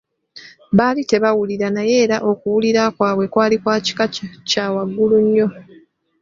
Baali tebawulira naye nga okuwulira kwabwe kwali kwa kika kya waggulu nnyo.